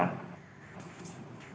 untuk melakukan apa